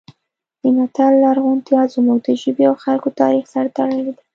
د متل لرغونتیا زموږ د ژبې او خلکو تاریخ سره تړلې ده